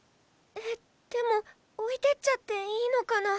えっでも置いてっちゃっていいのかな。